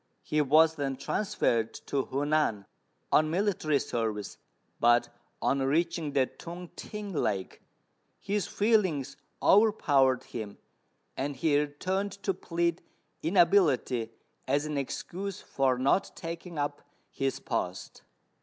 He was then transferred to Hu nan, on military service; but, on reaching the Tung t'ing lake, his feelings overpowered him, and he returned to plead inability as an excuse for not taking up his post.